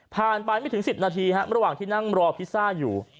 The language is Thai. ไปไม่ถึง๑๐นาทีระหว่างที่นั่งรอพิซซ่าอยู่